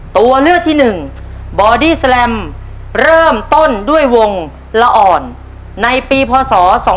ตัวเลือกที่๑บอดี้แลมเริ่มต้นด้วยวงละอ่อนในปีพศ๒๕๖